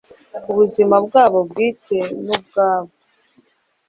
ubuzima bwabo bwite nubwabo